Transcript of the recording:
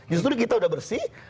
justru kita sudah bersih